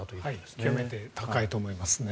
極めて高いと思いますね。